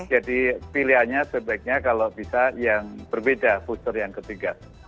jadi pilihannya sebaiknya kalau bisa yang berbeda booster yang ketiga